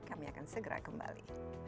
kami akan segera kembali